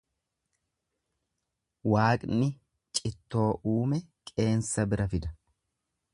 Waaqni cittoo uume qeensa bira fida.